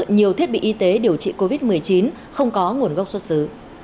nhiều thiết bị y tế điều trị covid một mươi chín không có nguồn gốc xuất xứ